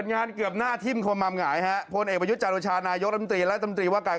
แต่ลุงตุเป็นเหตุจาระนี้